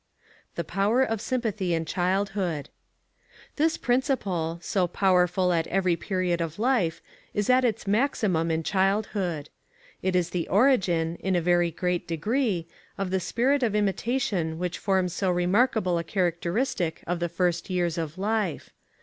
The Power of Sympathy in Childhood. This principle, so powerful at every period of life, is at its maximum in childhood. It is the origin, in a very great degree, of the spirit of imitation which forms so remarkable a characteristic of the first years of life.